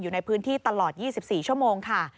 อยู่ในพื้นที่ตลอด๒๔ชั่วโมงค่ะ